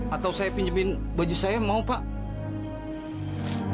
atau saya pinjemin baju saya mau pak